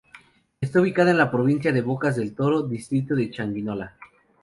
Está ubicada en la provincia de Bocas del Toro, distrito de Changuinola.